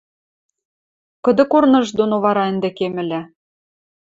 Кыды корныжы доно вара ӹнде кемӹлӓ?